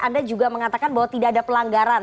anda juga mengatakan bahwa tidak ada pelanggaran